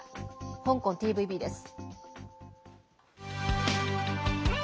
香港ＴＶＢです。